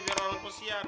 biar orang orang kusihan